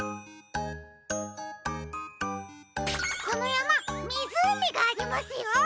このやまみずうみがありますよ！